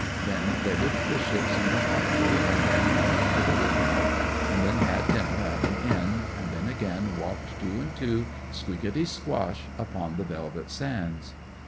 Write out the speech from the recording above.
Then they looked at the ships in the harbour; and then went up to the Look out; and then had dinner at an inn; and then again walked two and two, squeakity squash, upon the velvet sands.